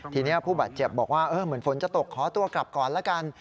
ทีนี้ผู้บาดเจ็บบอกว่าเหมือนฝนจะตกขอตัวกลับก่อนละกัน